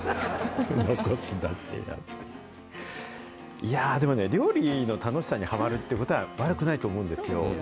いや、でもね、料理の楽しさにはまるっていうことは、悪くないと思うんですよ。